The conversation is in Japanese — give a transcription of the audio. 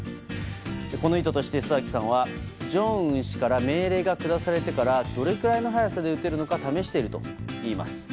この意図として礒崎さんは正恩氏から命令が下されてからどのくらいの早さで撃てるのか試しているといいます。